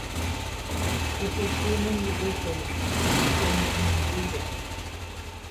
chepochy nendive Kola nacheñe'ẽrendúire